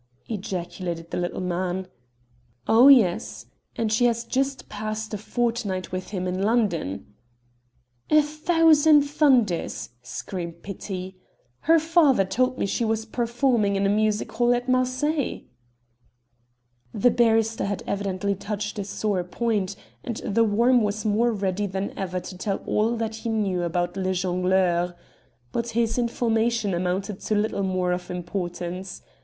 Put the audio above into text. ejaculated the little man. "Oh, yes; and she has just passed a fortnight with him in London." "A thousand thunders!" screamed Petit. "Her father told me she was performing in a music hall at Marseilles." The barrister had evidently touched a sore point, and "The Worm" was more ready than ever to tell all that he knew about Le Jongleur. But his information amounted to little more of importance.